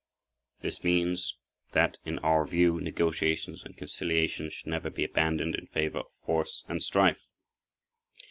This means that, in our view, negotiations and conciliation should never be abandoned in favor of force and strife.